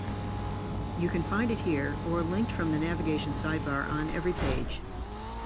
You can find it here, or linked from the navigation sidebar on every page.